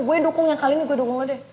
gue dukung yang kali ini gue dukung lo deh